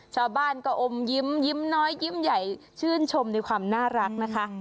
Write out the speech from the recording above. ชาวบ้านก็อมยิ้มยิ้มน้อยยิ้มใหญ่ชื่นชมในความน่ารักนะคะ